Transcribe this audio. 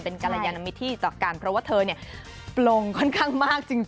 เป็นกรยานมิตรที่ต่อกันเพราะว่าเธอปลงค่อนข้างมากจริง